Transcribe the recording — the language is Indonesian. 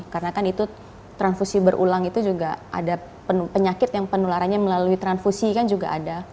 karena kan itu transfusi berulang itu juga ada penyakit yang penularannya melalui transfusi kan juga ada